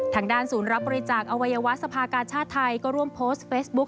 ทางด้านศูนย์รับบริจาคอวัยวะสภากาชาติไทยก็ร่วมโพสต์เฟซบุ๊ค